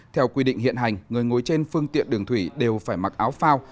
theo quy định hiện hành người ngồi trên phương tiện đường thủy đều phải mặc áo phao